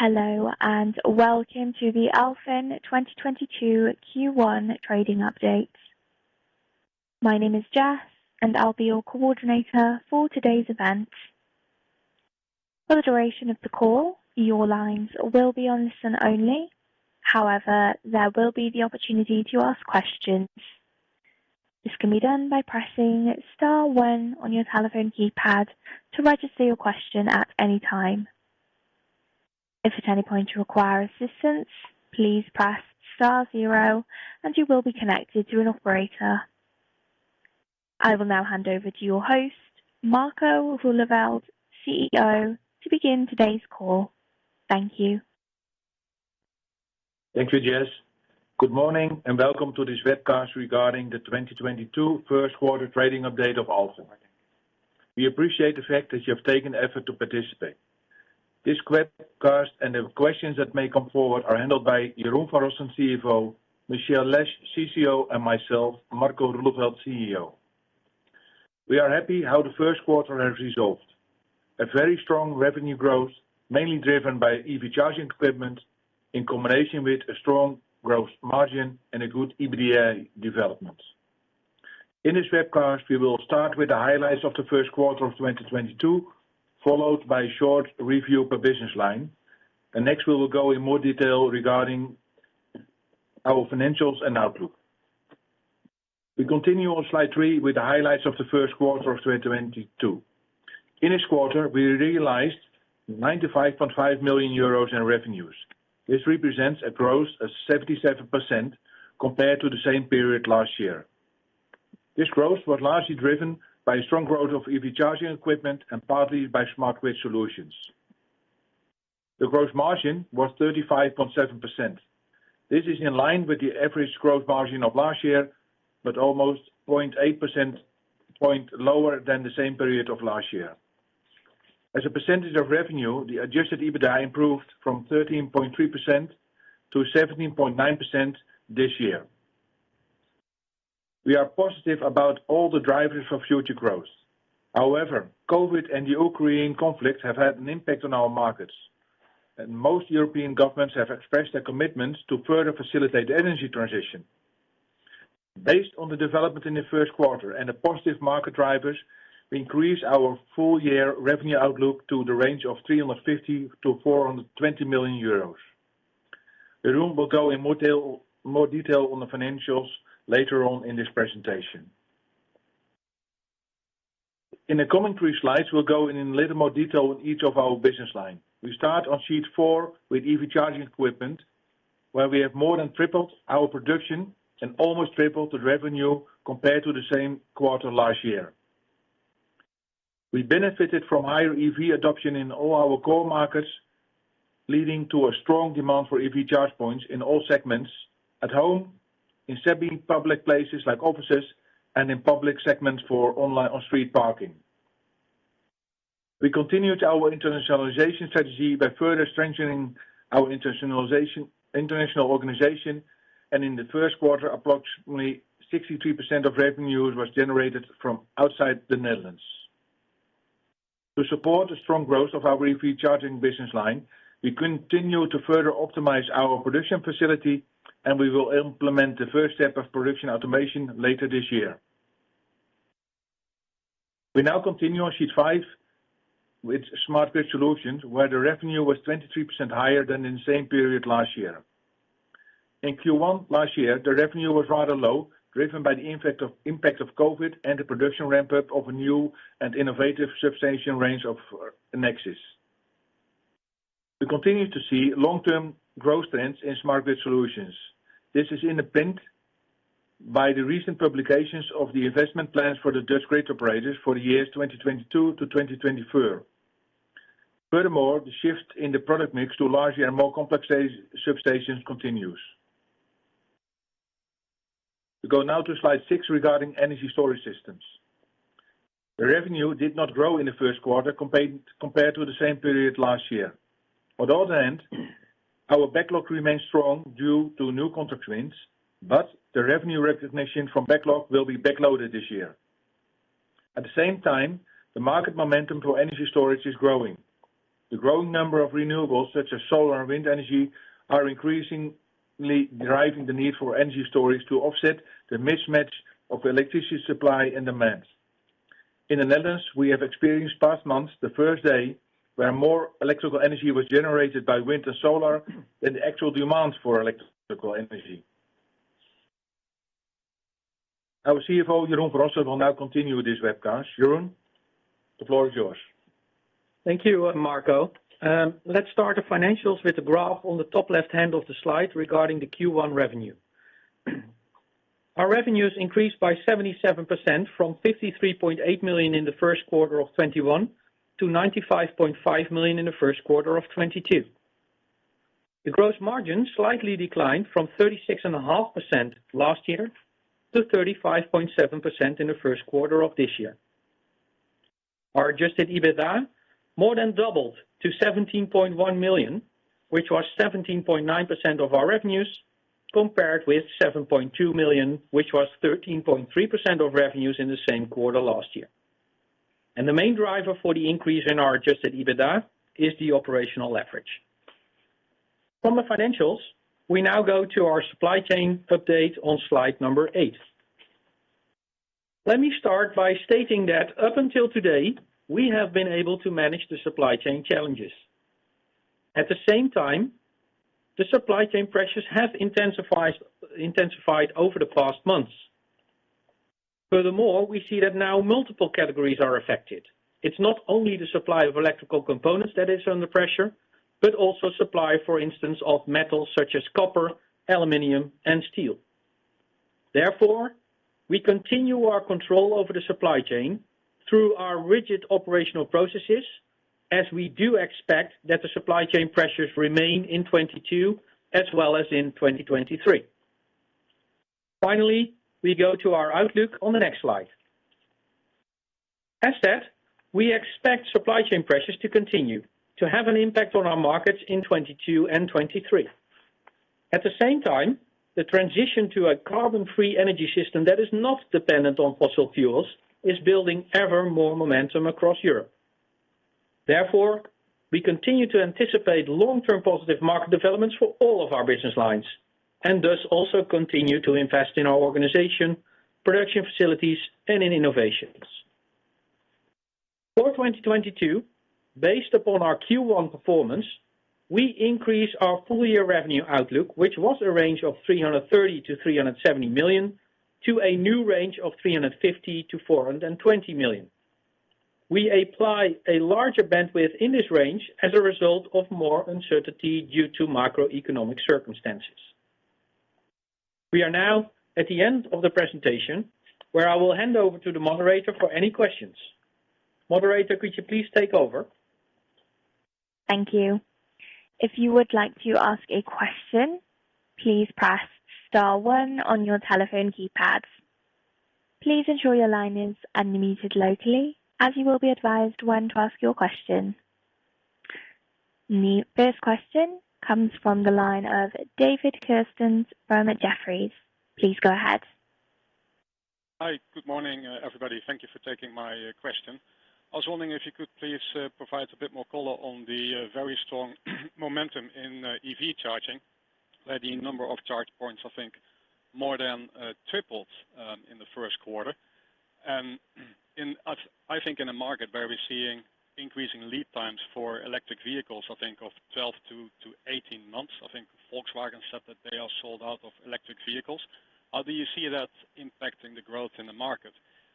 Hello, and welcome to the Alfen 2022 Q1 trading update. My name is Jess, and I'll be your coordinator for today's event. For the duration of the call, your lines will be on listen only. However, there will be the opportunity to ask questions. This can be done by pressing star one on your telephone keypad to register your question at any time. If at any point you require assistance, please press star zero and you will be connected to an operator. I will now hand over to your host, Marco Roeleveld, CEO, to begin today's call. Thank you. Thank you, Jess. Good morning, and welcome to this webcast regarding the 2022 first quarter trading update of Alfen. We appreciate the fact that you have taken the effort to participate. This webcast and the questions that may come forward are handled by Jeroen van Rossen, CFO, Michelle Lesh, CCO, and myself, Marco Roeleveld, CEO. We are happy how the first quarter has resolved. A very strong revenue growth, mainly driven by EV charging equipment in combination with a strong growth margin and a good EBITDA development. In this webcast, we will start with the highlights of the first quarter of 2022, followed by a short review per business line. Next, we will go in more detail regarding our financials and outlook. We continue on slide 3 with the highlights of the first quarter of 2022. In this quarter, we realized 95.5 million euros in revenues. This represents a growth of 77% compared to the same period last year. This growth was largely driven by strong growth of EV Charging Equipment and partly by Smart Grid Solutions. The gross margin was 35.7%. This is in line with the average gross margin of last year, but almost 0.8 percentage points lower than the same period of last year. As a percentage of revenue, the adjusted EBITDA improved from 13.3% to 17.9% this year. We are positive about all the drivers for future growth. However, COVID and the Ukraine conflict have had an impact on our markets, and most European governments have expressed their commitments to further facilitate the energy transition. Based on the development in the first quarter and the positive market drivers, we increased our full year revenue outlook to the range of 350 million-420 million euros. Jeroen will go in more detail on the financials later on in this presentation. In the coming three slides, we'll go in a little more detail on each of our business line. We start on sheet 4 with EV Charging Equipment, where we have more than tripled our production and almost tripled the revenue compared to the same quarter last year. We benefited from higher EV adoption in all our core markets, leading to a strong demand for EV charge points in all segments: at home, in semi-public places like offices, and in public segments for online or street parking. We continued our internationalization strategy by further strengthening our internationalization, international organization, and in the first quarter, approximately 63% of revenue was generated from outside the Netherlands. To support the strong growth of our EV charging business line, we continue to further optimize our production facility, and we will implement the first step of production automation later this year. We now continue on sheet five with Smart Grid Solutions, where the revenue was 23% higher than in the same period last year. In Q1 last year, the revenue was rather low, driven by the impact of COVID and the production ramp-up of a new and innovative substation range of Enexis. We continue to see long-term growth trends in Smart Grid Solutions. This is underpinned by the recent publications of the investment plans for the Dutch grid operators for the years 2022 to 2024. Furthermore, the shift in the product mix to larger and more complex substations continues. We go now to slide six regarding energy storage systems. The revenue did not grow in the first quarter compared to the same period last year. On the other hand, our backlog remains strong due to new contract wins, but the revenue recognition from backlog will be backloaded this year. At the same time, the market momentum for energy storage is growing. The growing number of renewables, such as solar and wind energy, are increasingly driving the need for energy storage to offset the mismatch of electricity supply and demand. In the Netherlands, we have experienced in the past months the first day where more electrical energy was generated by wind and solar than the actual demand for electrical energy. Our CFO, Jeroen van Rossen, will now continue with this webcast. Jeroen, the floor is yours. Thank you, Marco. Let's start the financials with the graph on the top left-hand of the slide regarding the Q1 revenue. Our revenues increased by 77% from 53.8 million in the first quarter of 2021 to 95.5 million in the first quarter of 2022. The growth margin slightly declined from 36.5% last year to 35.7% in the first quarter of this year. Our Adjusted EBITDA more than doubled to 17.1 million, which was 17.9% of our revenues. Compared with 7.2 million, which was 13.3% of revenues in the same quarter last year. The main driver for the increase in our Adjusted EBITDA is the operational leverage. From the financials, we now go to our supply chain update on slide number 8. Let me start by stating that up until today, we have been able to manage the supply chain challenges. At the same time, the supply chain pressures have intensified over the past months. Furthermore, we see that now multiple categories are affected. It's not only the supply of electrical components that is under pressure, but also supply, for instance, of metals such as copper, aluminum and steel. Therefore, we continue our control over the supply chain through our rigid operational processes, as we do expect that the supply chain pressures remain in 2022 as well as in 2023. Finally, we go to our outlook on the next slide. As said, we expect supply chain pressures to continue to have an impact on our markets in 2022 and 2023. At the same time, the transition to a carbon-free energy system that is not dependent on fossil fuels is building ever more momentum across Europe. Therefore, we continue to anticipate long-term positive market developments for all of our business lines, and thus also continue to invest in our organization, production facilities and in innovations. For 2022, based upon our Q1 performance, we increase our full year revenue outlook, which was a range of 330 million-370 million, to a new range of 350 million-420 million. We apply a larger bandwidth in this range as a result of more uncertainty due to macroeconomic circumstances. We are now at the end of the presentation, where I will hand over to the moderator for any questions. Moderator, could you please take over? Thank you. If you would like to ask a question, please press star one on your telephone keypads. Please ensure your line is unmuted locally as you will be advised when to ask your question. The first question comes from the line of David Kerstens from Jefferies. Please go ahead. Hi. Good morning, everybody. Thank you for taking my question. I was wondering if you could please provide a bit more color on the very strong momentum in EV charging, where the number of charge points, I think more than tripled in the first quarter. I think in a market where we're seeing increasing lead times for electric vehicles, I think of 12 months-18 months. I think Volkswagen said that they are sold out of electric vehicles. How do you see that impacting the growth in the market?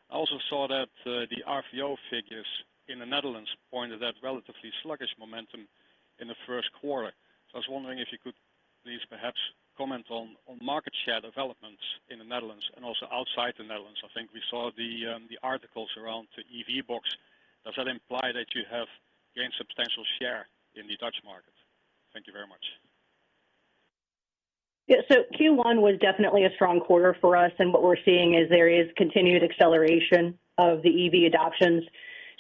I also saw that the RVO figures in the Netherlands pointed at relatively sluggish momentum in the first quarter. I was wondering if you could please perhaps comment on market share developments in the Netherlands and also outside the Netherlands. I think we saw the articles around the EVBox. Does that imply that you have gained substantial share in the Dutch market? Thank you very much. Yeah. Q1 was definitely a strong quarter for us, and what we're seeing is there is continued acceleration of the EV adoptions.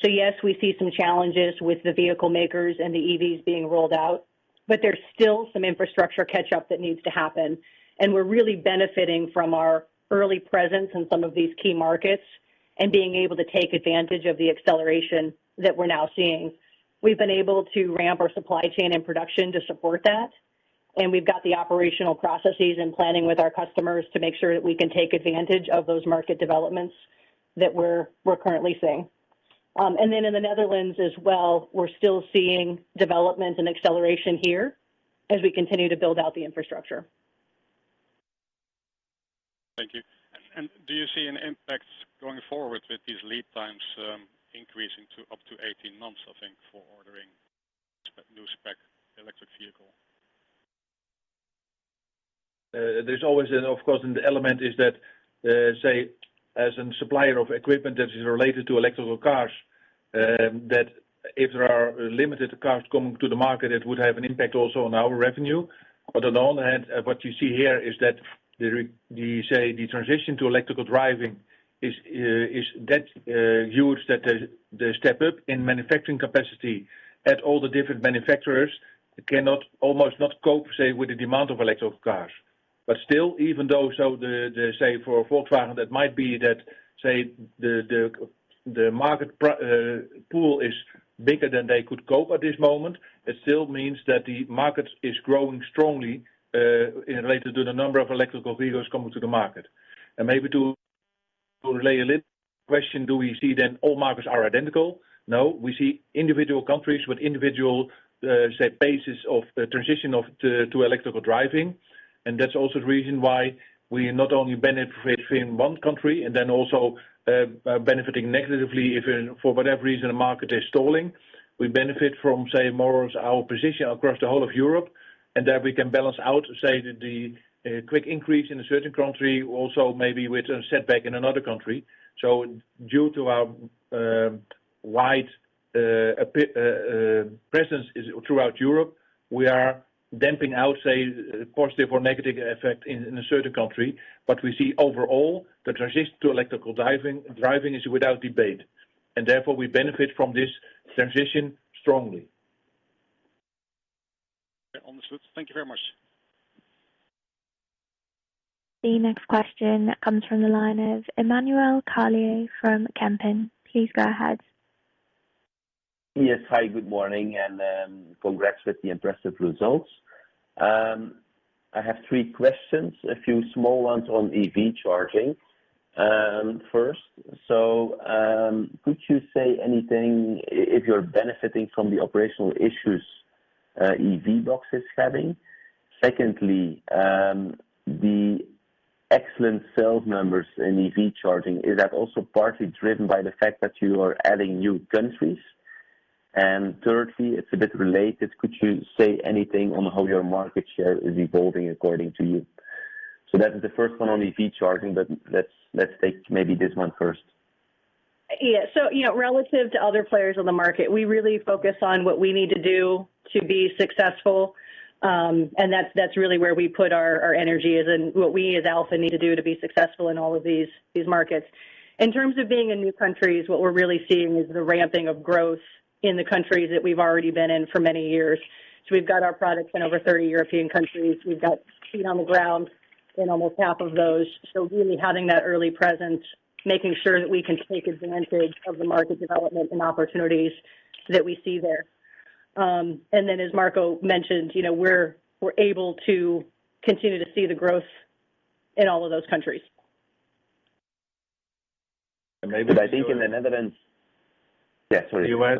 Yes, we see some challenges with the vehicle makers and the EVs being rolled out, but there's still some infrastructure catch up that needs to happen. We're really benefiting from our early presence in some of these key markets and being able to take advantage of the acceleration that we're now seeing. We've been able to ramp our supply chain and production to support that, and we've got the operational processes and planning with our customers to make sure that we can take advantage of those market developments that we're currently seeing. In the Netherlands as well, we're still seeing development and acceleration here as we continue to build out the infrastructure. Thank you. Do you see an impact going forward with these lead times increasing to up to 18 months, I think, for ordering new spec electric vehicle? There's always, of course, an element that as a supplier of equipment that is related to electric cars, that if there are limited cars coming to the market, it would have an impact also on our revenue. On the other hand, what you see here is that the transition to electric driving is huge that the step up in manufacturing capacity at all the different manufacturers cannot almost not cope with the demand of electric cars. Still, even though the for Volkswagen, that might be that the market pool is bigger than they could cope at this moment, it still means that the market is growing strongly related to the number of electric vehicles coming to the market. Maybe to relay a little question, do we see then all markets are identical? No. We see individual countries with individual say paces of transition to electrical driving. That's also the reason why we not only benefit in one country and then also benefiting negatively if for whatever reason a market is stalling. We benefit from say more as our position across the whole of Europe, and that we can balance out say the quick increase in a certain country also maybe with a setback in another country. Due to our wide presence is throughout Europe, we are damping out say positive or negative effect in a certain country. We see overall the transition to electrical driving is without debate, and therefore we benefit from this transition strongly. Okay, understood. Thank you very much. The next question comes from the line of Emmanuel Carlier from Kempen. Please go ahead. Yes. Hi, good morning and congrats with the impressive results. I have three questions, a few small ones on EV charging. First, could you say anything if you're benefiting from the operational issues EVBox is having? Secondly, the excellent sales numbers in EV charging, is that also partly driven by the fact that you are adding new countries? And thirdly, it's a bit related. Could you say anything on how your market share is evolving according to you? That is the first one on EV charging, but let's take maybe this one first. Yeah. You know, relative to other players on the market, we really focus on what we need to do to be successful. That's really where we put our energy is in what we as Alfen need to do to be successful in all of these markets. In terms of being in new countries, what we're really seeing is the ramping of growth in the countries that we've already been in for many years. We've got our products in over 30 European countries. We've got feet on the ground in almost half of those. Really having that early presence, making sure that we can take advantage of the market development and opportunities that we see there. As Marco mentioned, you know, we're able to continue to see the growth in all of those countries. Maybe. I think in the Netherlands. Yeah, sorry. The US,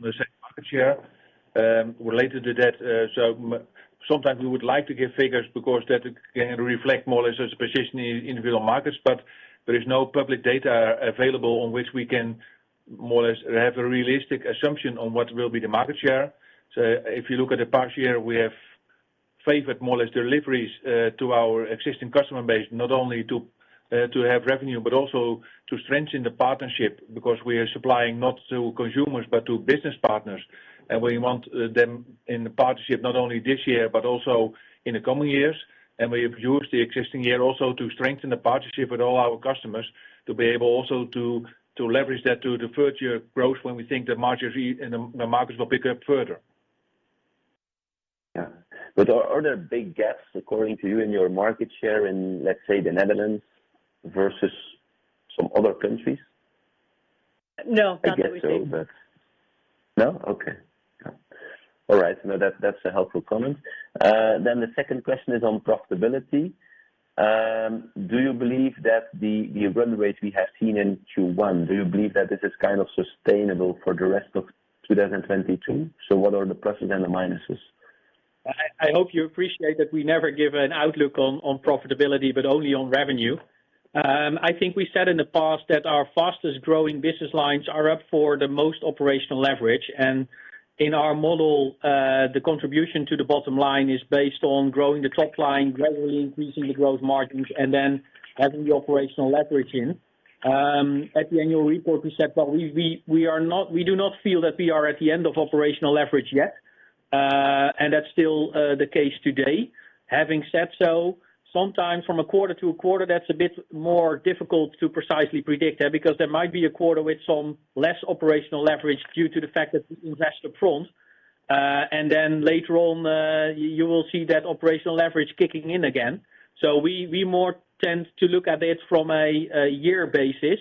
the same market share. Related to that, sometimes we would like to give figures because that can reflect more or less as a position in real markets, but there is no public data available on which we can more or less have a realistic assumption on what will be the market share. If you look at the past year, we have favored more or less deliveries to our existing customer base, not only to have revenue, but also to strengthen the partnership because we are supplying not to consumers, but to business partners. We want them in the partnership, not only this year, but also in the coming years. We have used the existing year also to strengthen the partnership with all our customers to be able also to leverage that to the future growth when we think the margins and the markets will pick up further. Yeah. Are there big gaps according to you in your market share in, let's say, the Netherlands versus some other countries? No, not that we see. I guess so. No? Okay. Yeah. All right. No, that's a helpful comment. The second question is on profitability. Do you believe that the run rate we have seen in Q1 is kind of sustainable for the rest of 2022? What are the pluses and the minuses? I hope you appreciate that we never give an outlook on profitability, but only on revenue. I think we said in the past that our fastest-growing business lines are up for the most operational leverage. In our model, the contribution to the bottom line is based on growing the top line, gradually increasing the growth margins, and then adding the operational leverage in. At the annual report, we said that we do not feel that we are at the end of operational leverage yet, and that's still the case today. Having said so, sometimes from a quarter to a quarter, that's a bit more difficult to precisely predict that because there might be a quarter with some less operational leverage due to the fact that we invest up front. Later on, you will see that operational leverage kicking in again. We more tend to look at it from a year basis,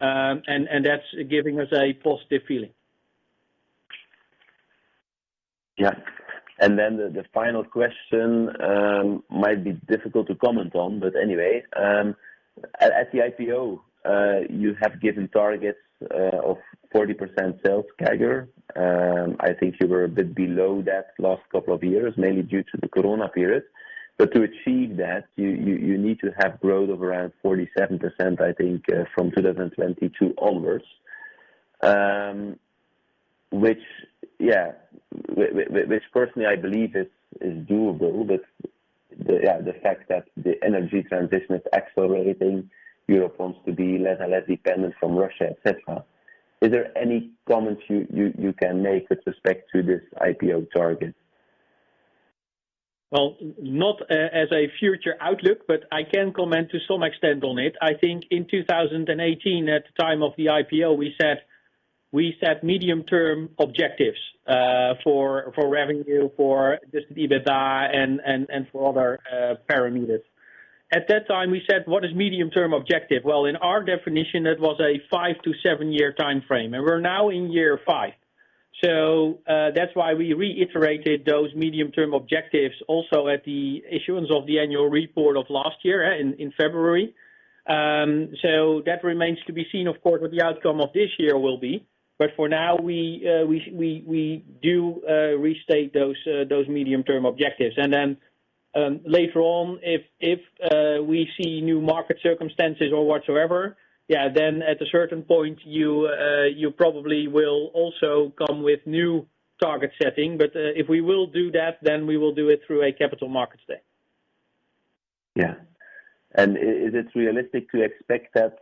and that's giving us a positive feeling. The final question might be difficult to comment on, but anyway. At the IPO, you have given targets of 40% sales CAGR. I think you were a bit below that last couple of years, mainly due to the corona period. To achieve that, you need to have growth of around 47%, I think, from 2022 onwards. Which, yeah, which personally I believe is doable, but yeah, the fact that the energy transition is accelerating, Europe wants to be less and less dependent from Russia, et cetera. Is there any comments you can make with respect to this IPO target? Well, not as a future outlook, but I can comment to some extent on it. I think in 2018, at the time of the IPO, we set medium-term objectives for revenue, for Adjusted EBITDA and for other parameters. At that time, we said, what is medium-term objective? Well, in our definition, it was a 5-7 year timeframe, and we're now in year five. That's why we reiterated those medium-term objectives also at the issuance of the annual report of last year in February. That remains to be seen, of course, what the outcome of this year will be. For now, we do restate those medium-term objectives. Then, later on, if we see new market circumstances or whatsoever, yeah, then at a certain point, you probably will also come with new target setting. If we will do that, then we will do it through a capital markets day. Yeah. Is it realistic to expect that,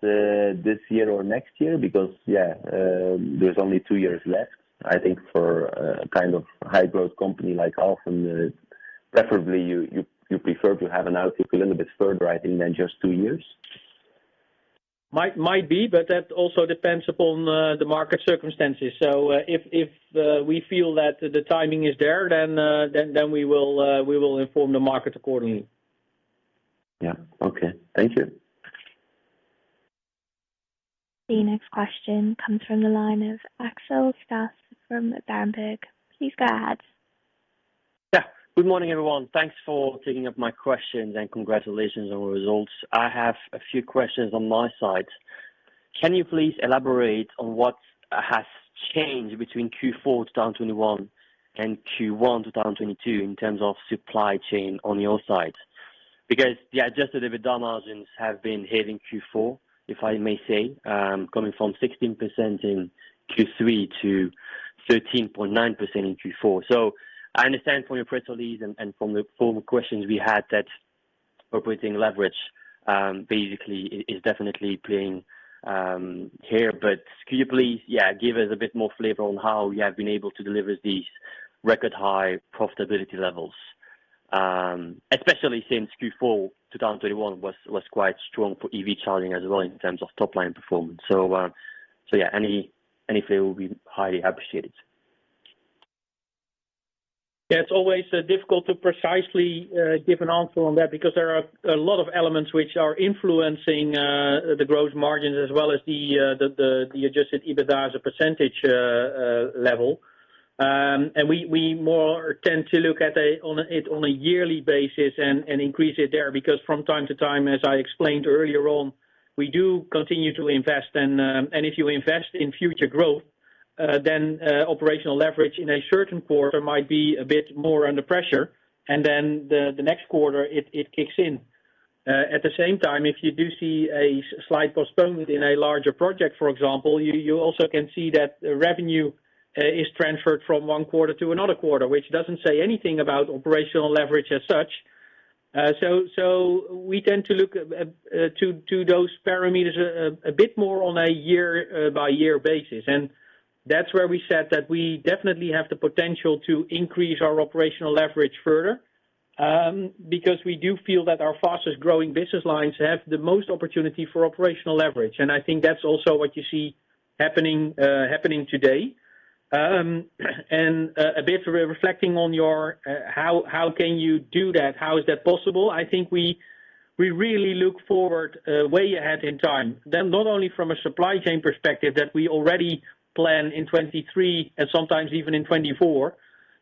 this year or next year? Because, yeah, there's only two years left. I think for a kind of high-growth company like Alfen, preferably you prefer to have an outlook a little bit further, I think, than just two years. Might be, but that also depends upon the market circumstances. If we feel that the timing is there, then we will inform the market accordingly. Yeah. Okay. Thank you. The next question comes from the line of Axel Stasse from Berenberg. Please go ahead. Yeah. Good morning, everyone. Thanks for taking up my questions and congratulations on the results. I have a few questions on my side. Can you please elaborate on what has changed between Q4 2021 and Q1 2022 in terms of supply chain on your side? Because the Adjusted EBITDA margins have been hitting Q4, if I may say, coming from 16% in Q3 to 13.9% in Q4. I understand from your press release and from the former questions we had that operating leverage basically is definitely playing here. Could you please, yeah, give us a bit more flavor on how you have been able to deliver these record high profitability levels, especially since Q4 2021 was quite strong for EV charging as well in terms of top line performance. Yeah, any flavor will be highly appreciated. Yeah. It's always difficult to precisely give an answer on that because there are a lot of elements which are influencing the growth margins as well as the Adjusted EBITDA as a percentage level. We more tend to look on a yearly basis and increase it there. Because from time to time, as I explained earlier on, we do continue to invest and if you invest in future growth, then operational leverage in a certain quarter might be a bit more under pressure, and then the next quarter it kicks in. At the same time, if you do see a slight postponement in a larger project, for example, you also can see that revenue is transferred from one quarter to another quarter, which doesn't say anything about operational leverage as such. So we tend to look to those parameters a bit more on a year by year basis. That's where we said that we definitely have the potential to increase our operational leverage further, because we do feel that our fastest-growing business lines have the most opportunity for operational leverage. I think that's also what you see happening today. A bit reflecting on your how can you do that? How is that possible? I think we really look forward way ahead in time, then not only from a supply chain perspective that we already plan in 2023 and sometimes even in 2024,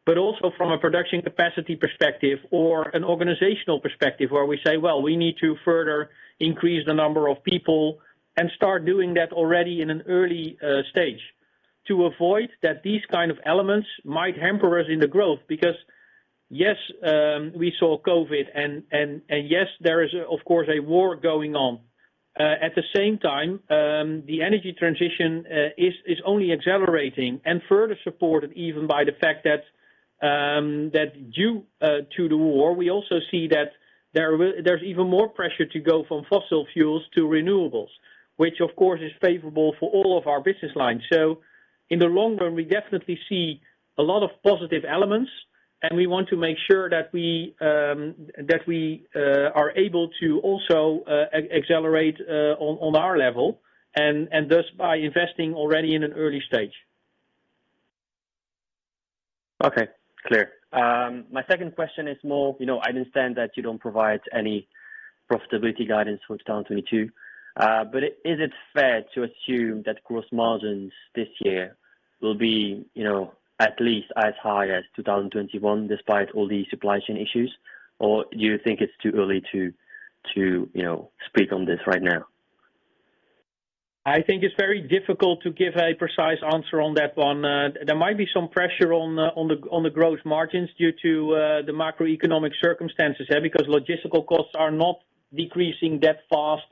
but also from a production capacity perspective or an organizational perspective, where we say, well, we need to further increase the number of people and start doing that already in an early stage to avoid that these kind of elements might hamper us in the growth. Because, yes, we saw COVID and, yes, there is, of course, a war going on. At the same time, the energy transition is only accelerating and further supported even by the fact that, due to the war, we also see that there will There's even more pressure to go from fossil fuels to renewables, which of course is favorable for all of our business lines. In the long run, we definitely see a lot of positive elements, and we want to make sure that we are able to also accelerate on our level and thus by investing already in an early stage. Okay. Clear. My second question is more, you know, I understand that you don't provide any profitability guidance for 2022. Is it fair to assume that gross margins this year will be, you know, at least as high as 2021, despite all the supply chain issues? Or do you think it's too early to, you know, speak on this right now? I think it's very difficult to give a precise answer on that one. There might be some pressure on the growth margins due to the macroeconomic circumstances here, because logistical costs are not decreasing that fast.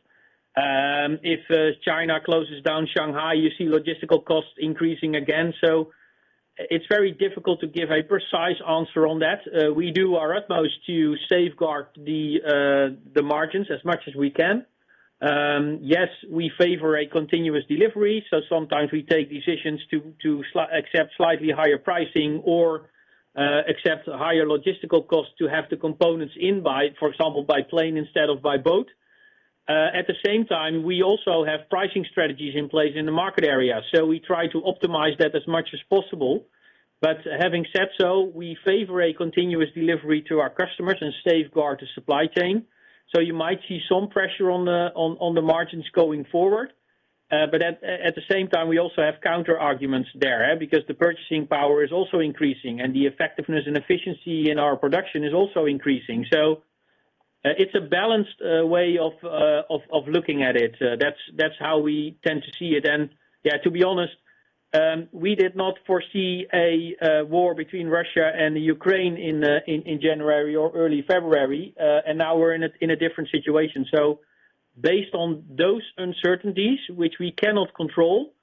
If China closes down Shanghai, you see logistical costs increasing again. It's very difficult to give a precise answer on that. We do our utmost to safeguard the margins as much as we can. Yes, we favor a continuous delivery, so sometimes we take decisions to accept slightly higher pricing or accept higher logistical costs to have the components in by, for example, by plane instead of by boat. At the same time, we also have pricing strategies in place in the market area, so we try to optimize that as much as possible. Having said so, we favor a continuous delivery to our customers and safeguard the supply chain. You might see some pressure on the margins going forward. But at the same time, we also have counterarguments there, because the purchasing power is also increasing and the effectiveness and efficiency in our production is also increasing. It's a balanced way of looking at it. That's how we tend to see it. To be honest, we did not foresee a war between Russia and Ukraine in January or early February. Now we're in a different situation. Based on those uncertainties which we cannot control,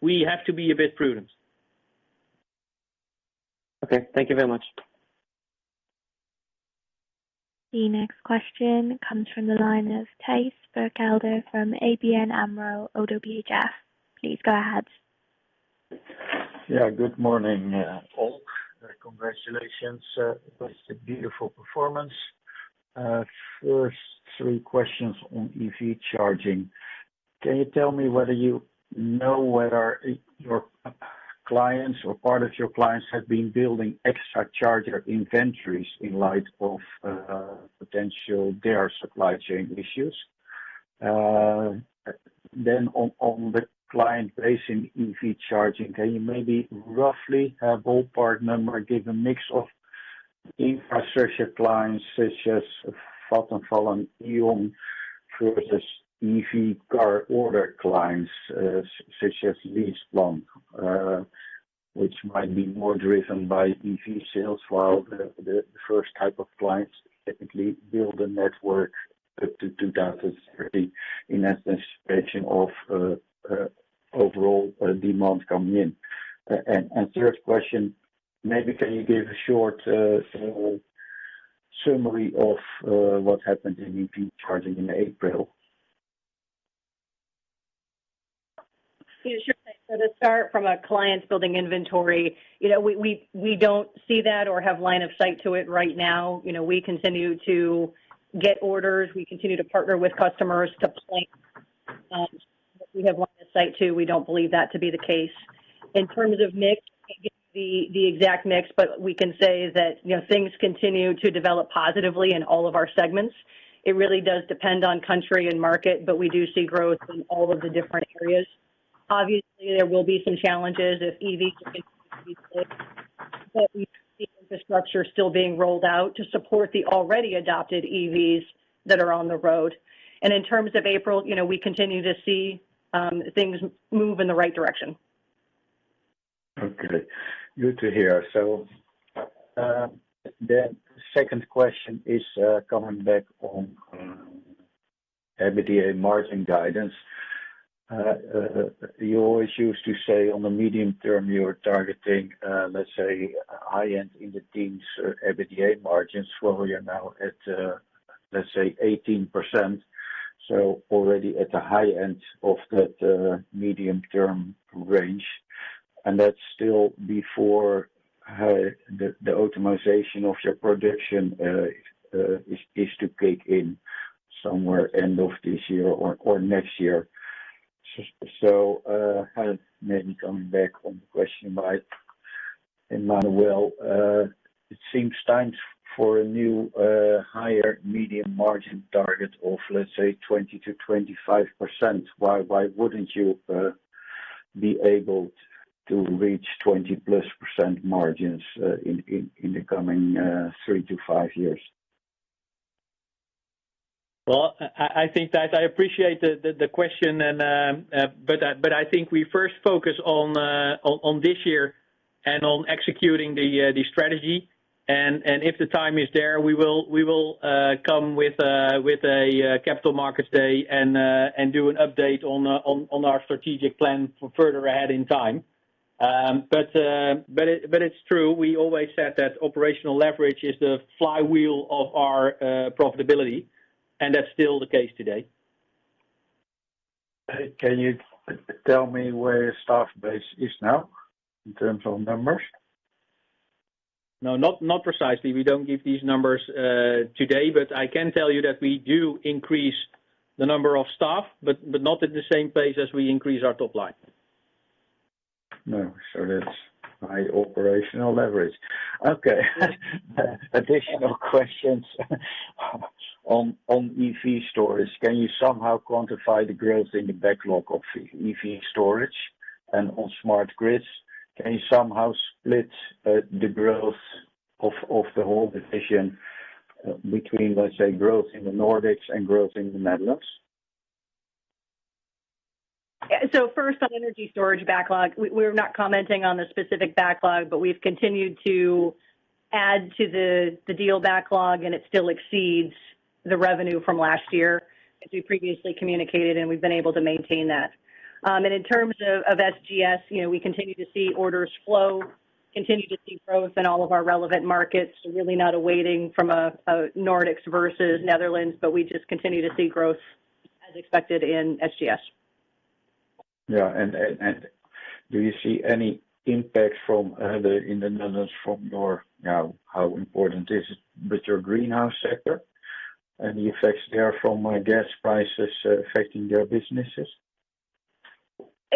we have to be a bit prudent. Okay. Thank you very much. The next question comes from the line of Thijs Berkelder from ABN AMRO - ODDO BHF. Please go ahead. Yeah. Good morning, all. Congratulations, that's a beautiful performance. First three questions on EV charging. Can you tell me whether you know whether your clients or part of your clients have been building extra charger inventories in light of potential their supply chain issues? Then on the client base in EV charging, can you maybe roughly a ballpark number give a mix of infrastructure clients such as Vattenfall and E.ON versus EV car order clients, such as LeasePlan, which might be more driven by EV sales, while the first type of clients technically build a network up to 2030 in anticipation of overall demand coming in. Third question, maybe can you give a short summary of what happened in EV charging in April? Yeah, sure. To start from a client building inventory, you know, we don't see that or have line of sight to it right now. You know, we continue to get orders. We continue to partner with customers to plan. We have line of sight to, we don't believe that to be the case. In terms of mix, can't give the exact mix, but we can say that, you know, things continue to develop positively in all of our segments. It really does depend on country and market, but we do see growth in all of the different areas. Obviously, there will be some challenges if EV continues to be big, but we see infrastructure still being rolled out to support the already adopted EVs that are on the road. In terms of April, you know, we continue to see things move in the right direction. Okay, good to hear. Second question is coming back on EBITDA margin guidance. You always used to say on the medium term, you were targeting, let's say, high end in the teens EBITDA margins, while you're now at, let's say 18%, so already at the high end of that medium-term range. That's still before the optimization of your production is to kick in somewhere end of this year or next year. Maybe coming back on the question by Emmanuel, it seems time for a new higher medium margin target of, let's say, 20%-25%. Why wouldn't you be able to reach 20%+ margins in the coming 3-5 years? Well, I think that I appreciate the question, but I think we first focus on this year and on executing the strategy. If the time is there, we will come with a capital markets day and do an update on our strategic plan for further ahead in time. It's true, we always said that operational leverage is the flywheel of our profitability, and that's still the case today. Can you tell me where your staff base is now in terms of numbers? No, not precisely. We don't give these numbers today, but I can tell you that we do increase the number of staff, but not at the same pace as we increase our top line. No. That's high operational leverage. Okay. Additional questions on EV storage. Can you somehow quantify the growth in the backlog of EV storage and on smart grids? Can you somehow split the growth of the whole division between, let's say, growth in the Nordics and growth in the Netherlands? First, on energy storage backlog, we're not commenting on the specific backlog, but we've continued to add to the deal backlog, and it still exceeds the revenue from last year, as we previously communicated, and we've been able to maintain that. In terms of SGS, you know, we continue to see orders flow, continue to see growth in all of our relevant markets, really not abating from the Nordics versus Netherlands, but we just continue to see growth as expected in SGS. Yeah. Do you see any impact from in the Netherlands from your, you know, how important is it with your greenhouse sector and the effects there from gas prices affecting their businesses?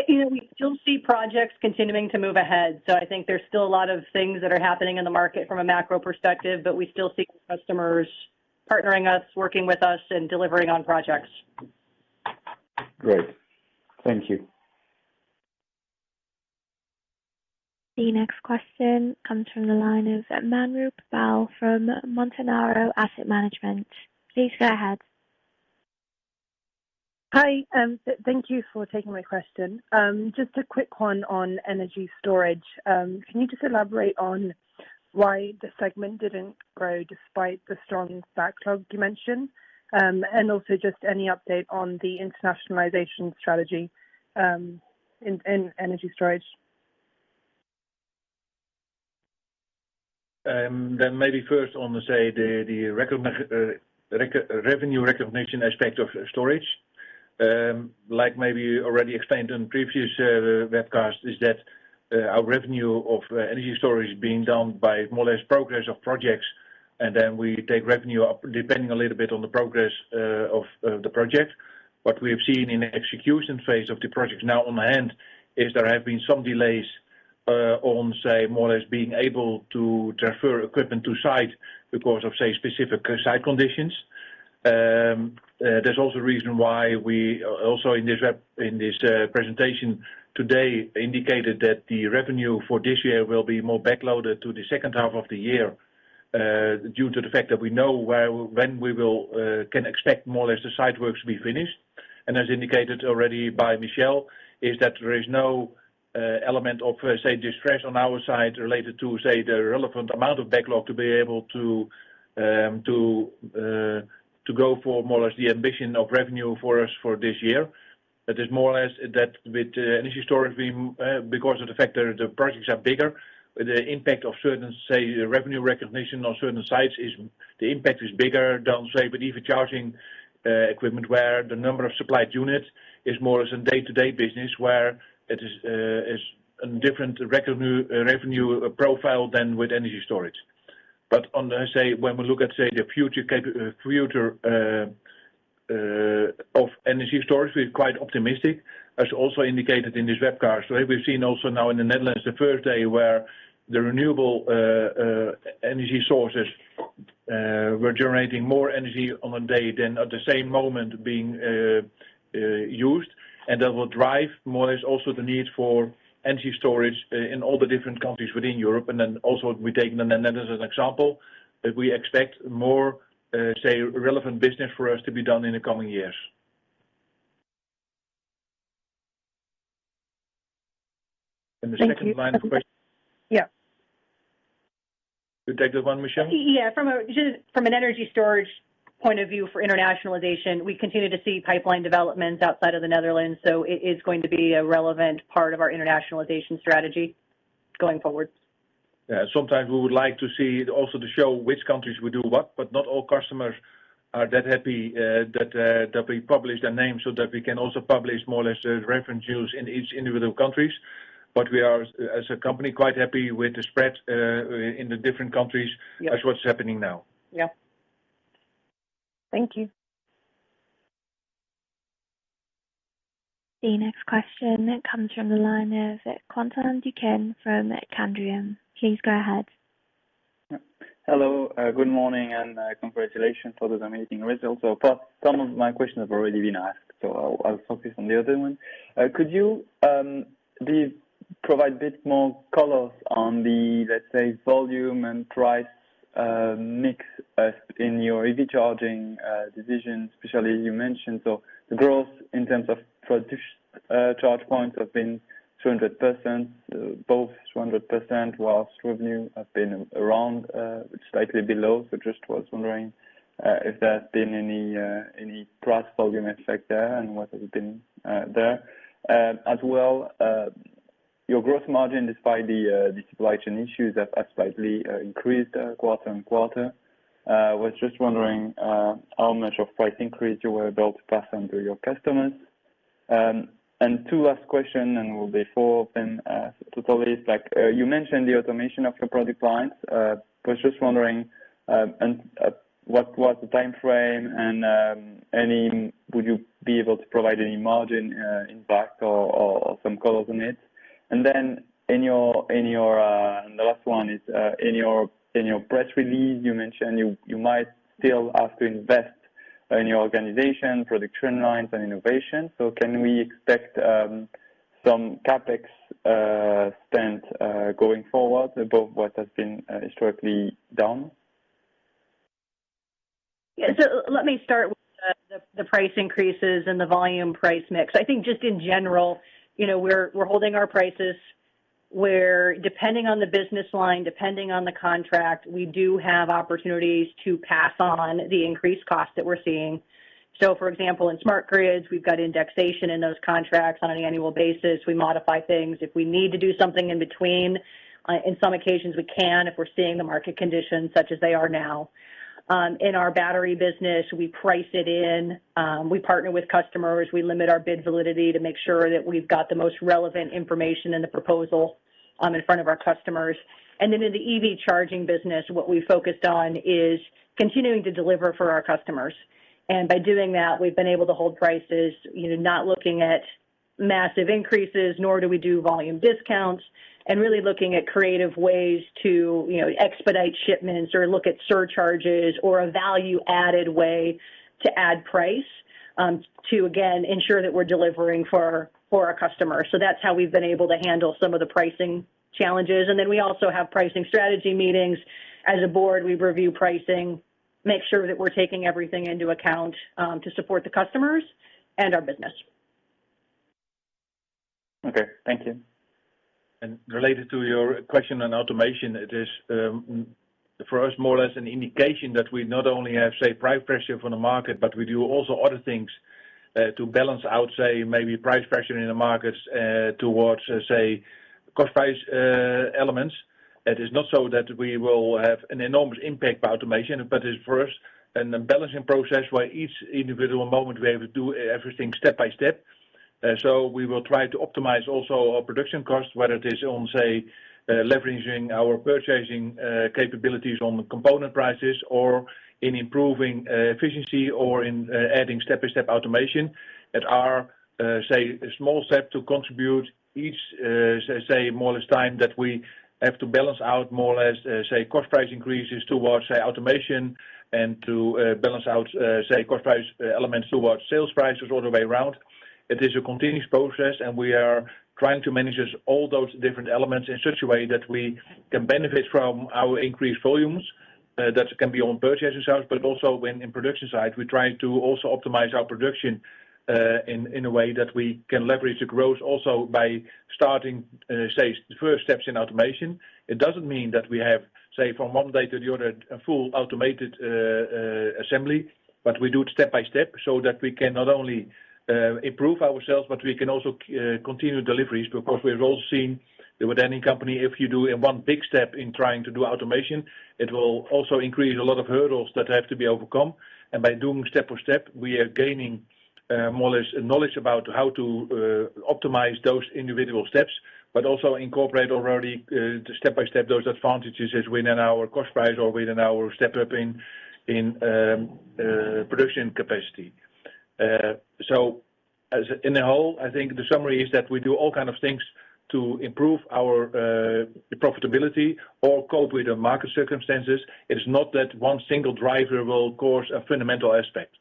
You know, we still see projects continuing to move ahead. I think there's still a lot of things that are happening in the market from a macro perspective, but we still see customers partnering us, working with us and delivering on projects. Great. Thank you. The next question comes from the line of Emmanuel Papadakis from Montanaro Asset Management. Please go ahead. Hi. Thank you for taking my question. Just a quick one on energy storage. Can you just elaborate on why the segment didn't grow despite the strong backlog you mentioned? Also just any update on the internationalization strategy, in energy storage? Maybe first on the, say, the revenue recognition aspect of storage, like maybe you already explained on previous webcasts, is that our revenue of energy storage being done by more or less progress of projects, and then we take revenue up, depending a little bit on the progress of the project. What we have seen in the execution phase of the projects now on hand is there have been some delays on, say, more or less being able to transfer equipment to site because of, say, specific site conditions. There's also a reason why we also in this presentation today indicated that the revenue for this year will be more backloaded to the second half of the year due to the fact that we know where. When we can expect more or less the site works to be finished. As indicated already by Michelle, is that there is no element of, say, distress on our side related to, say, the relevant amount of backlog to be able to go for more or less the ambition of revenue for us for this year. That is more or less that with energy storage, because of the fact that the projects are bigger, the impact of certain, say, revenue recognition on certain sites is bigger than, say, with EV charging equipment, where the number of supplied units is more as a day-to-day business, where it is a different revenue profile than with energy storage. When we look at the future of energy storage, we're quite optimistic, as also indicated in this webcast. We've seen also now in the Netherlands the first day where the renewable energy sources were generating more energy on a day than at the same moment being used. That will drive more or less also the need for energy storage in all the different countries within Europe. Then also we take the Netherlands as an example that we expect more relevant business for us to be done in the coming years. Thank you. And the second line of quest- Yeah. You take that one, Michelle? Yeah. Just from an energy storage point of view for internationalization, we continue to see pipeline developments outside of the Netherlands, so it is going to be a relevant part of our internationalization strategy going forward. Yeah. Sometimes we would like to see also to show which countries we do what, but not all customers are that happy that we publish their name so that we can also publish more or less the reference use in each individual countries. But we are, as a company, quite happy with the spread in the different countries. Yeah. as what's happening now. Yeah. Thank you. The next question then comes from the line of, Quentin Duquesne from Candriam. Please go ahead. Yeah. Hello, good morning, and congratulations for this amazing results. First, some of my questions have already been asked, so I'll focus on the other one. Could you provide a bit more colors on the, let's say, volume and price mix in your EV charging division, especially you mentioned, so the growth in terms of charge points have been 200%, both 200%, while revenue have been around slightly below. Just was wondering if there had been any price volume effect there, and what has been there. As well, your growth margin, despite the supply chain issues, have slightly increased quarter-over-quarter. I was just wondering how much of a price increase you were able to pass on to your customers. The two last questions, that will be four in total. Like, you mentioned the automation of your product lines. I was just wondering what was the timeframe and would you be able to provide any margin impact or some color on it? Then the last one is, in your press release, you mentioned you might still have to invest in your organization, production lines and innovation. Can we expect some CapEx spend going forward above what has been historically done? Yeah. Let me start with the price increases and the volume price mix. I think just in general, you know, we're holding our prices where depending on the business line, depending on the contract, we do have opportunities to pass on the increased cost that we're seeing. For example, in smart grids, we've got indexation in those contracts on an annual basis. We modify things. If we need to do something in between, in some occasions we can, if we're seeing the market conditions such as they are now. In our battery business, we price it in, we partner with customers, we limit our bid validity to make sure that we've got the most relevant information in the proposal, in front of our customers. In the EV charging business, what we focused on is continuing to deliver for our customers. By doing that, we've been able to hold prices, you know, not looking at massive increases, nor do we do volume discounts, and really looking at creative ways to, you know, expedite shipments or look at surcharges or a value added way to add price to again ensure that we're delivering for our customers. That's how we've been able to handle some of the pricing challenges. We also have pricing strategy meetings. As a board, we review pricing, make sure that we're taking everything into account to support the customers and our business. Okay. Thank you. Related to your question on automation, it is for us more or less an indication that we not only have, say, price pressure from the market, but we do also other things to balance out, say, maybe price pressure in the markets, towards, say, cost price elements. It is not so that we will have an enormous impact by automation, but it's first a balancing process where each individual moment we have to do everything step by step. We will try to optimize also our production costs, whether it is on, say, leveraging our purchasing capabilities on the component prices or in improving efficiency or in adding step-by-step automation that are, say, a small step to contribute each, say, more or less time that we have to balance out more or less, say, cost price increases towards, say, automation and to balance out, say, cost price elements towards sales prices all the way around. It is a continuous process, and we are trying to manage all those different elements in such a way that we can benefit from our increased volumes, that can be on purchasing side, but also when in production side. We try to also optimize our production in a way that we can leverage the growth also by starting, say, the first steps in automation. It doesn't mean that we have, say, from one day to the other, a fully automated assembly, but we do it step by step so that we can not only improve ourselves, but we can also continue deliveries. Because we've all seen with any company, if you do one big step in trying to do automation, it will also increase a lot of hurdles that have to be overcome. By doing step by step, we are gaining more or less knowledge about how to optimize those individual steps, but also incorporate already step-by-step those advantages into our cost price or within our step-up in production capacity. As a whole, I think the summary is that we do all kinds of things to improve our profitability or cope with the market circumstances. It is not that one single driver will cause a fundamental aspect.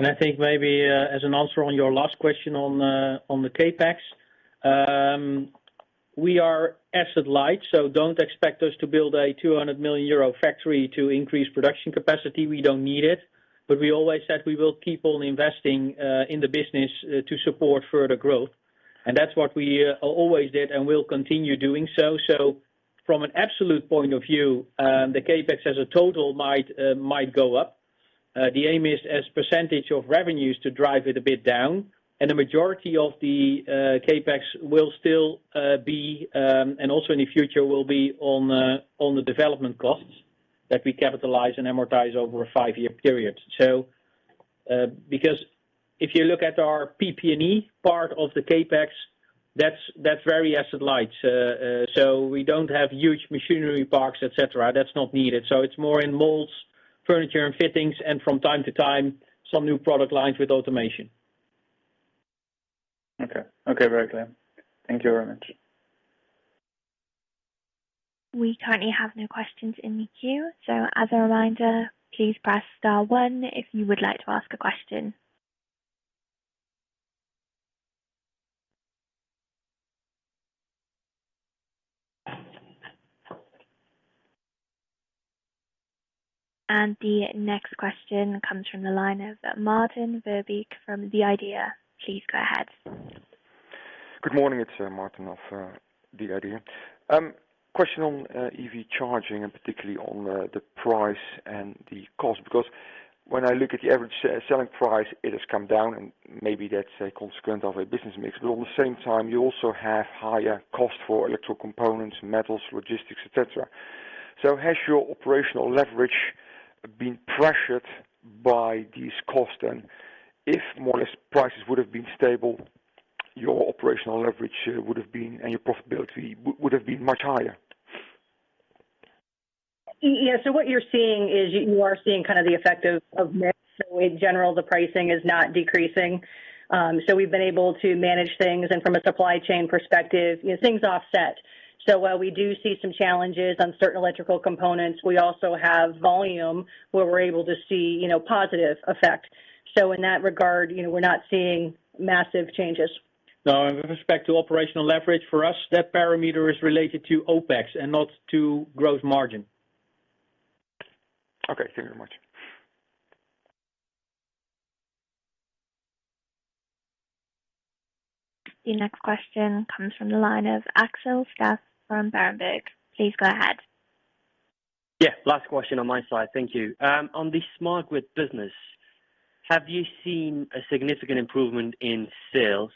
I think maybe, as an answer on your last question on the CapEx, we are asset light, so don't expect us to build a 200 million euro factory to increase production capacity. We don't need it. We always said we will keep on investing in the business to support further growth. That's what we always did and will continue doing so. From an absolute point of view, the CapEx as a total might go up. The aim is, as percentage of revenues, to drive it a bit down, and the majority of the CapEx will still be, and also in the future, will be on the development costs that we capitalize and amortize over a five-year period. Because if you look at our PP&E part of the CapEx, that's very asset light. We don't have huge machinery parks, etc. That's not needed. It's more in molds, furniture and fittings, and from time to time, some new product lines with automation. Okay. Okay. Very clear. Thank you very much. We currently have no questions in the queue. As a reminder, please press star one if you would like to ask a question. The next question comes from the line of Maarten Verbeek from The IDEA!. Please go ahead. Good morning. It's Maarten of The IDEA!. Question on EV charging and particularly on the price and the cost. When I look at the average selling price, it has come down, and maybe that's a consequence of a business mix. At the same time, you also have higher cost for electro components, metals, logistics, et cetera. Has your operational leverage been pressured by this cost? If more or less prices would have been stable, your operational leverage would have been, and your profitability would have been much higher. Yes. What you're seeing is you are seeing kind of the effect of mix. In general, the pricing is not decreasing. We've been able to manage things and from a supply chain perspective, you know, things offset. While we do see some challenges on certain electrical components, we also have volume where we're able to see, you know, positive effect. In that regard, you know, we're not seeing massive changes. Now, with respect to operational leverage, for us, that parameter is related to OpEx and not to growth margin. Okay, thank you very much. The next question comes from the line of Axel Stasse from Berenberg. Please go ahead. Yeah. Last question on my side. Thank you. On the Smart Grid business, have you seen a significant improvement in sales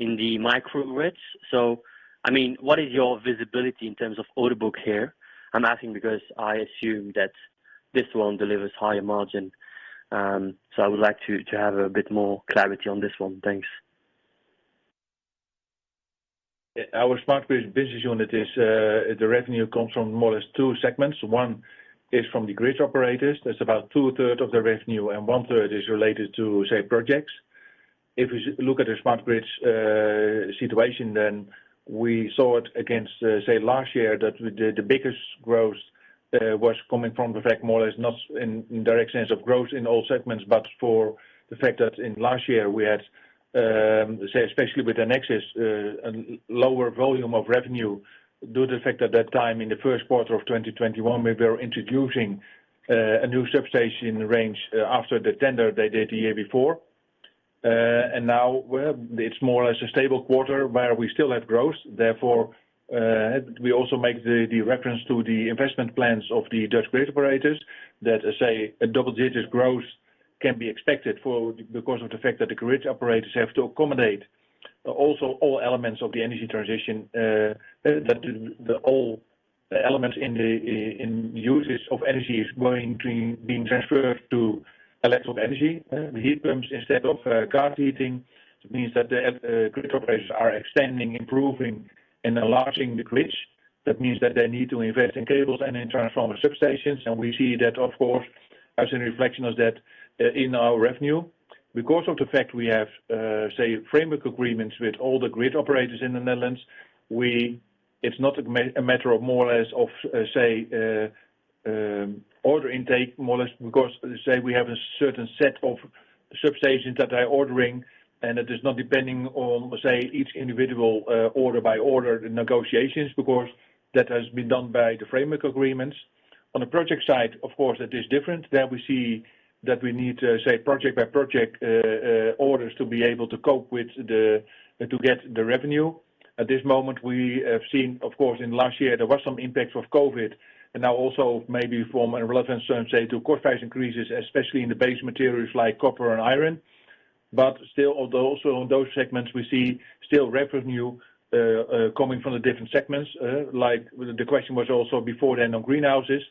in the micro grids? I mean, what is your visibility in terms of order book here? I'm asking because I assume that this one delivers higher margin. I would like to have a bit more clarity on this one. Thanks. Our Smart Grid business unit is the revenue comes from more or less two segments. One is from the grid operators. That's about 2/3 of the revenue, and one-third is related to, say, projects. If you look at the Smart Grid situation, then we saw it against, say, last year, that we did the biggest growth was coming from the fact more or less, not in direct sense of growth in all segments, but for the fact that in last year we had, say, especially with Enexis, lower volume of revenue due to the fact at that time in the first quarter of 2021, we were introducing a new substation range after the tender they did the year before. It's more or less a stable quarter where we still have growth. Therefore, we also make the reference to the investment plans of the Dutch grid operators that say a double-digit growth can be expected because of the fact that the grid operators have to accommodate also all elements of the energy transition, that all elements in uses of energy is going to be transferred to electric energy. The heat pumps instead of gas heating. It means that the grid operators are extending, improving, and enlarging the grids. That means that they need to invest in cables and in transformer substations, and we see that of course as a reflection of that in our revenue. Because of the fact we have, say framework agreements with all the grid operators in the Netherlands, we... It's not a matter of more or less of, say, order intake more or less because, say, we have a certain set of substations that are ordering, and it is not depending on, say, each individual, order by order negotiations, because that has been done by the framework agreements. On the project side, of course, it is different. There we see that we need to, say, project by project orders to be able to get the revenue. At this moment, we have seen of course in last year there was some impacts of COVID and now also maybe from a relevant term, say to core price increases, especially in the base materials like copper and iron. Still, although also on those segments, we still see revenue coming from the different segments. Like the question was also before then on greenhouses,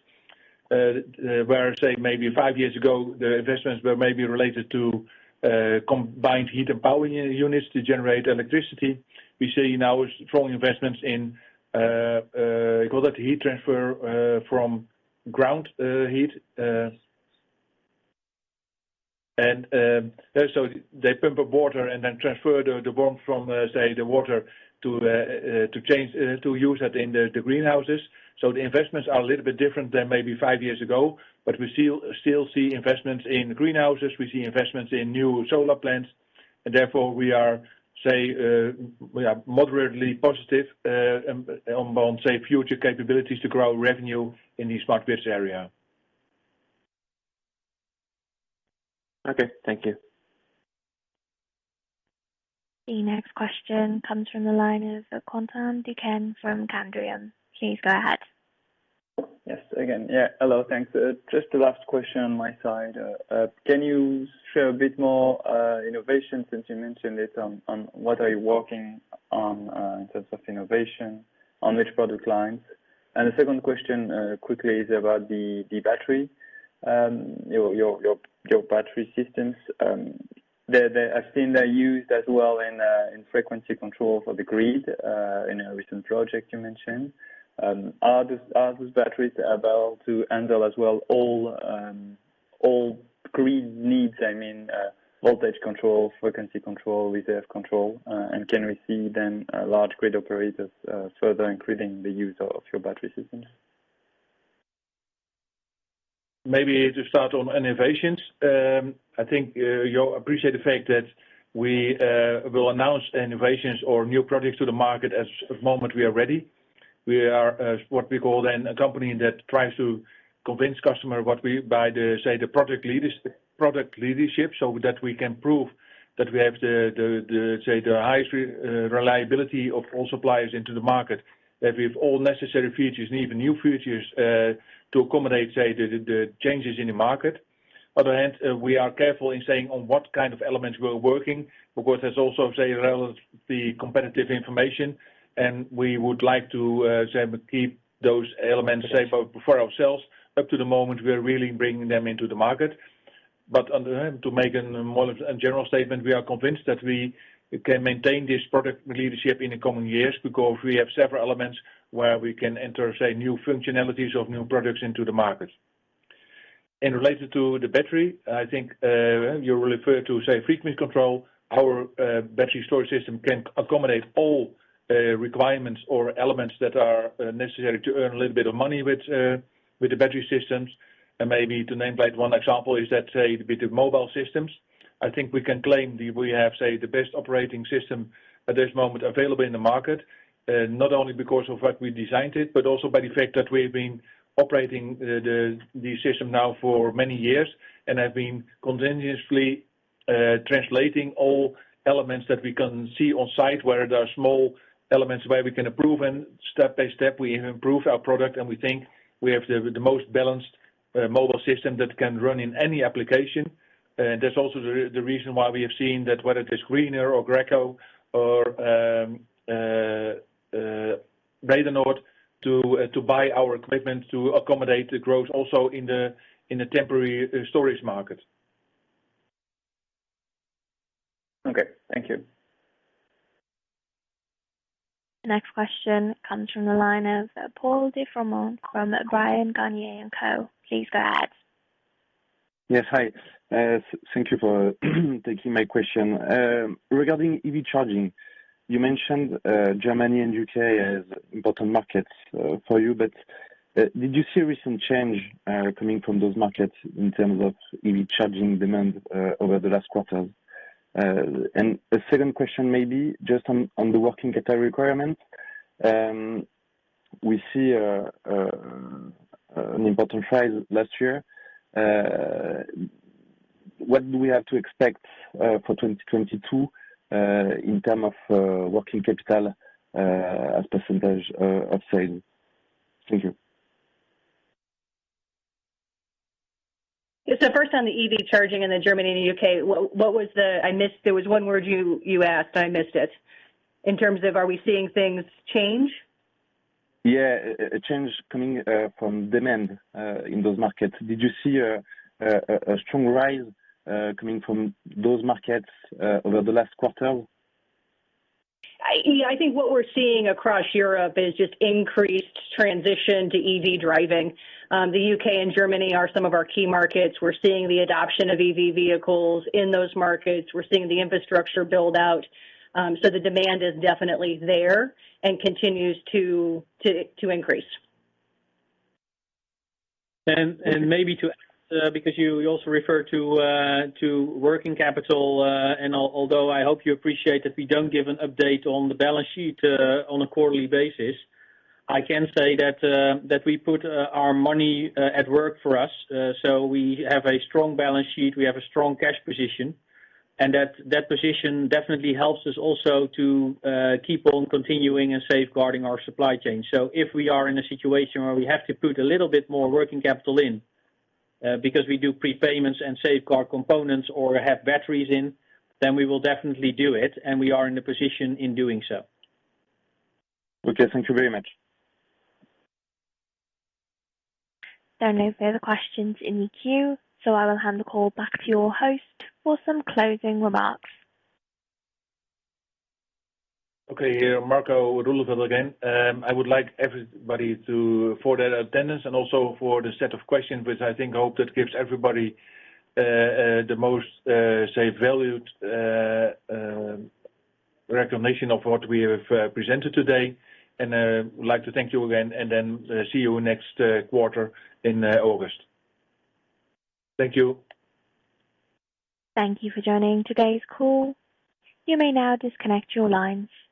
where say maybe five years ago the investments were maybe related to combined heat and power units to generate electricity. We see now strong investments in call that heat transfer from ground heat. They pump up water and then transfer the warmth from say the water to use it in the greenhouses. The investments are a little bit different than maybe five years ago, but we still see investments in greenhouses. We see investments in new solar plants, and therefore we are say we are moderately positive on say future capabilities to grow revenue in this market area. Okay, thank you. The next question comes from the line of Quentin Duquesne from Candriam. Please go ahead. Yes, again. Yeah. Hello. Thanks. Just a last question on my side. Can you share a bit more on innovation since you mentioned it, on what are you working on, in terms of innovation, on which product lines? The second question quickly is about the battery. Your battery systems. I've seen they're used as well in frequency control for the grid, in a recent project you mentioned. Are those batteries able to handle as well all grid needs? I mean, voltage control, frequency control, reserve control. Can we see then large grid operators further increasing the use of your battery systems? Maybe to start on innovations. I think you'll appreciate the fact that we will announce innovations or new products to the market at the moment we are ready. We are what we call then a company that tries to convince customer by the, say, the product leadership, so that we can prove that we have the, say, the highest reliability of all suppliers in the market. That we have all necessary features and even new features to accommodate, say, the changes in the market. On the other hand, we are careful in saying what kind of elements we're working, because there's also, say, relevant competitive information, and we would like to, say, keep those elements safe for ourselves up to the moment we are really bringing them into the market. On the other hand, to make a more general statement, we are convinced that we can maintain this product leadership in the coming years because we have several elements where we can enter, say, new functionalities of new products into the market. Related to the battery, I think you refer to, say, frequency control. Our battery storage system can accommodate all requirements or elements that are necessary to earn a little bit of money with the battery systems. Maybe to name like one example is that, say, the BESS mobile systems. I think we can claim the. We have, say, the best operating system at this moment available in the market, not only because of what we designed it, but also by the fact that we've been operating the system now for many years and have been continuously translating all elements that we can see on site, where there are small elements where we can improve. Step by step, we improve our product, and we think we have the most balanced mobile system that can run in any application. That's also the reason why we have seen that whether it is Greener or Eneco or Vattenfall to buy our equipment to accommodate the growth also in the temporary storage market. Okay. Thank you. Next question comes from the line of Thibault Leneeuw from Bryan, Garnier & Co. Please go ahead. Yes. Hi. Thank you for taking my question. Regarding EV charging, you mentioned Germany and U.K. as important markets for you, but did you see recent change coming from those markets in terms of EV charging demand over the last quarters? A second question maybe just on the working capital requirements. We see an important rise last year. What do we have to expect for 2022 in terms of working capital as percentage of sale? Thank you. Yeah. First on the EV charging in Germany and the U.K., I missed it. There was one word you asked, I missed it. In terms of, are we seeing things change? Yeah. A change coming from demand in those markets. Did you see a strong rise coming from those markets over the last quarter? Yeah, I think what we're seeing across Europe is just increased transition to EV driving. The U.K. and Germany are some of our key markets. We're seeing the adoption of EV vehicles in those markets. We're seeing the infrastructure build out. The demand is definitely there and continues to increase. Maybe to add, because you also referred to working capital, and although I hope you appreciate that we don't give an update on the balance sheet on a quarterly basis. I can say that we put our money at work for us. We have a strong balance sheet, we have a strong cash position, and that position definitely helps us also to keep on continuing and safeguarding our supply chain. If we are in a situation where we have to put a little bit more working capital in, because we do prepayments and safeguard components or have batteries in, then we will definitely do it, and we are in a position in doing so. Okay. Thank you very much. There are no further questions in the queue, so I will hand the call back to your host for some closing remarks. Okay. Marco Roeleveld again. I would like to thank everybody for their attendance and also for the set of questions, which I think, I hope, that gives everybody the most valued recognition of what we have presented today. I would like to thank you again, and then see you next quarter in August. Thank you. Thank you for joining today's call. You may now disconnect your lines.